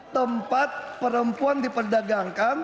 tempat perempuan diperdagangkan